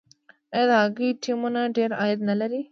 آیا د هاکي ټیمونه ډیر عاید نلري؟